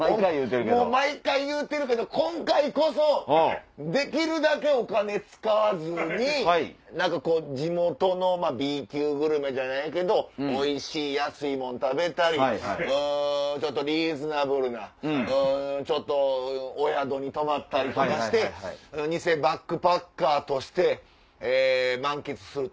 もう毎回言うてるけど今回こそできるだけお金使わずに何かこう地元のＢ級グルメじゃないけどおいしい安い物食べたりちょっとリーズナブルなちょっとお宿に泊まったりとかして偽バックパッカーとして満喫する。